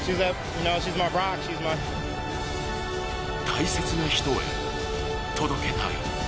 大切な人へ、届けたい。